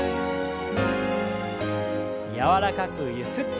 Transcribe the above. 柔らかくゆすって。